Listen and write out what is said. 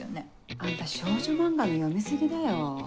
あんた少女漫画の読み過ぎだよ。